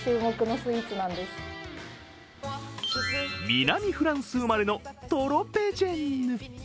南フランス生まれのトロペジェンヌ。